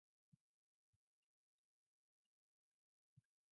Musician Alauddin Ali was his maternal uncle.